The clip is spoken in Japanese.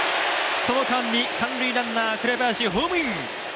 その間に三塁ランナー、紅林ホームイン。